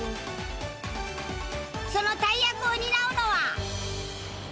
その大役を担うのは。